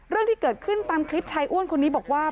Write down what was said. เรื่องที่เกิดขึ้นตามคลิปชายอ้วนคนนี้บอกว่า